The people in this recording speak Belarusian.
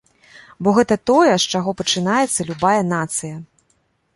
Бо гэта тое, з чаго пачынаецца любая нацыя.